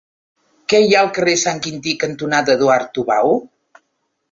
Què hi ha al carrer Sant Quintí cantonada Eduard Tubau?